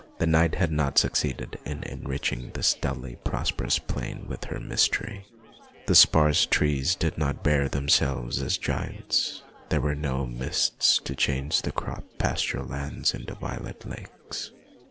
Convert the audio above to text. The night had not succeeded in enriching this dully prosperous plain with her mystery. The sparse trees did not A SUMMER HOLIDAY 259 bear themselves as giants, there were no mists to change the cropped pasture lands into violet lakes.